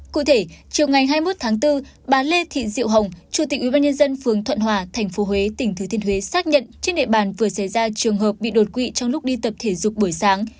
cụ thể chiều ngày hai mươi một tháng bốn bà lê thị diệu hồng chủ tịch ubnd phường thuận hòa tp huế tỉnh thứ thiên huế xác nhận trên địa bàn vừa xảy ra trường hợp bị đột quỵ trong lúc đi tập thể dục buổi sáng